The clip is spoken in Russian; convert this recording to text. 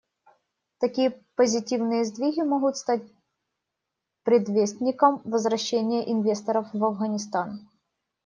Такие позитивные сдвиги могут стать предвестником возвращения инвесторов в Афганистан.